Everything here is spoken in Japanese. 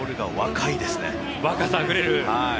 若さあふれる。